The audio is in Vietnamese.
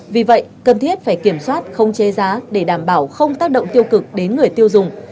vì vậy cần thiết phải kiểm soát không chế giá để đảm bảo không tác động tiêu cực đến người tiêu dùng